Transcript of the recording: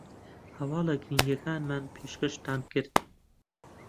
هەواڵە گرینگەکانمان پێشکەشتان کرد